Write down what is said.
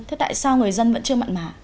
thế tại sao người dân vẫn chưa mặn mả